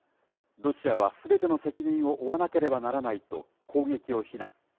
ロシアはすべての責任を負わなければならないと攻撃を非難。